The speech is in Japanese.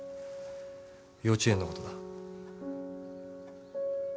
幼稚園のことだ。